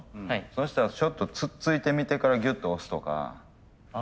そしたらちょっとつっついてみてからギュッと押すとか。